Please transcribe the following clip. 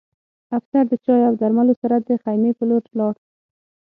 افسر د چای او درملو سره د خیمې په لور لاړ